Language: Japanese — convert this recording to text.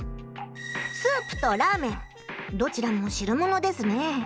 スープとラーメンどちらも汁ものですね。